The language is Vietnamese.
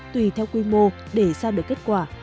tùy theo quy mô để ra được kết quả